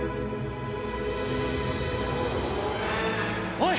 おい！